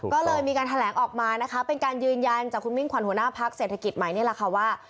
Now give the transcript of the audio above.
ก็เลยมีการแถลงออกมานะคะเป็นการยืนยันจากคุณมิ่งขวัญหัวหน้าพักเศรษฐกิจใหม่นี่แหละค่ะว่า